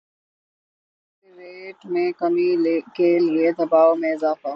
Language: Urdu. حکومت پر پالیسی ریٹ میں کمی کے لیے دبائو میں اضافہ